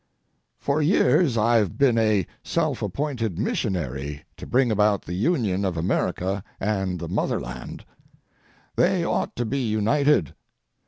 For years I've been a self appointed missionary to bring about the union of America and the motherland. They ought to be united.